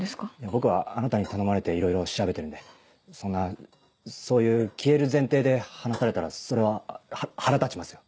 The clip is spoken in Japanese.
僕はあなたに頼まれていろいろ調べてるんでそんなそういう消える前提で話されたらそれは腹立ちますよ。